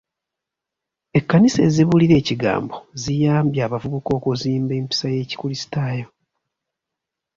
Ekkanisa ezibuulira ekigambo ziyambye abavubuka okuzimba empisa y'ekikulisitaayo.